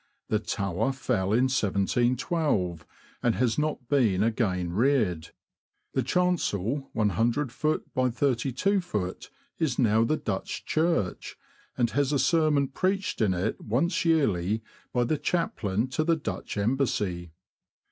The tower fell in 1 7 12, and has not been again reared. The chancel, looft. by 32ft., is now the Dutch Church, and has a sermon preached in it once yearly by the Chaplain to the Dutch Embassy.